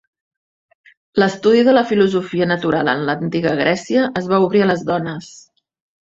L'estudi de la filosofia natural en l'antiga Grècia es va obrir a les dones.